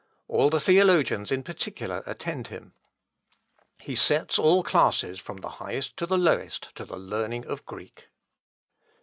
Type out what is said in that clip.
All the theologians in particular attend him. He sets all classes from the highest to the lowest, to the learning of Greek."